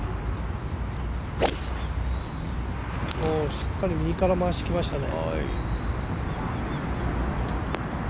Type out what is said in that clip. しっかり右から回してきましたね。